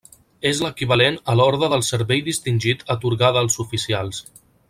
És l'equivalent a l'Orde del Servei Distingit atorgada als oficials.